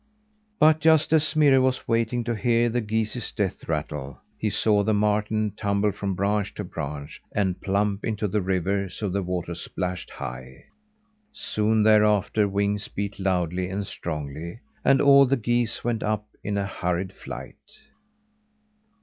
But just as Smirre was waiting to hear the geese's death rattle, he saw the marten tumble from branch to branch and plump into the river so the water splashed high. Soon thereafter, wings beat loudly and strongly and all the geese went up in a hurried flight.